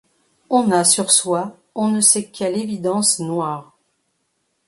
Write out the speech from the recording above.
On a sur soi on ne sait quelle évidence noire.